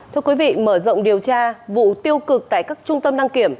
thưa quý vị mở rộng điều tra vụ tiêu cực tại các trung tâm đăng kiểm